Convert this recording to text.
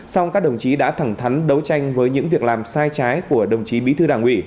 song các đồng chí đã thẳng thắn đấu tranh với những việc làm sai trái của đồng chí bí thư đảng ủy